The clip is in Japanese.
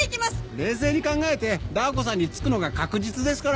冷静に考えてダー子さんにつくのが確実ですから。